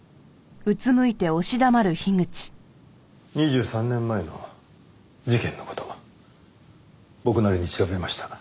２３年前の事件の事僕なりに調べました。